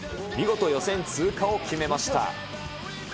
見事予選通過を決めました。